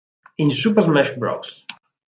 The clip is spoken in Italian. In Super Smash Bros.